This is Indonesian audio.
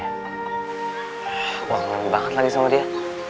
aku mau senang banget lagi sama dia